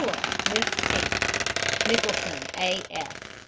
NEWALL, MISS T. NICHOLSON, A.